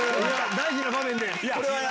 大事な場面で。